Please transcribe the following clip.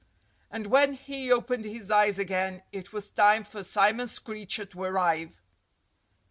And when he opened his eyes again it was time for Simon Screecher to arrive.